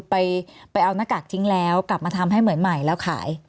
ไปเอาหน้ากากทิ้งแล้วกลับมาทำให้เหมือนใหม่แล้วขาย